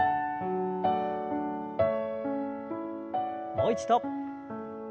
もう一度。